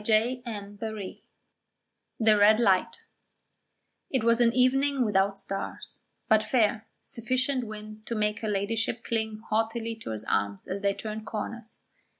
CHAPTER XXIX THE RED LIGHT It was an evening without stars, but fair, sufficient wind to make her Ladyship cling haughtily to his arm as they turned corners.